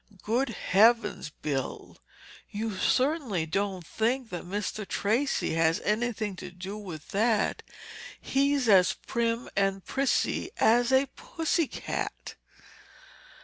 "Good Heavens, Bill! You surely don't think that Mr. Tracey has anything to do with that! He's as prim and prissy as a pussy cat!"